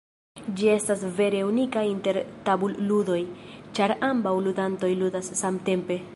Ĝi estas vere unika inter tabulludoj, ĉar ambaŭ ludantoj ludas samtempe.